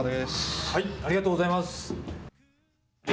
ありがとうございます。